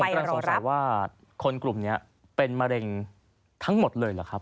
กำลังสงสัยว่าคนกลุ่มนี้เป็นมะเร็งทั้งหมดเลยเหรอครับ